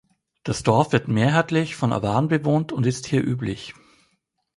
Das Dorf wird mehrheitlich von Awaren bewohnt und ist hier üblich.